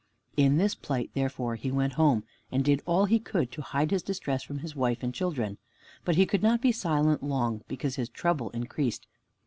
In this plight therefore he went home, and did all he could to hide his distress from his wife and children. But he could not be silent long, because his trouble increased.